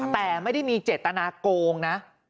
แต่ไม่ได้มีเจตนาโกงนะ